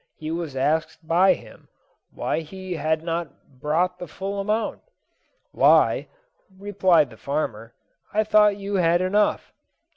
He was asked by him why he had not brought the full amount. 'Why,' replied the farmer, 'I thought you had enough.'